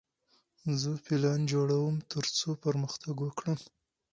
زه پلان جوړوم ترڅو پرمختګ وکړم.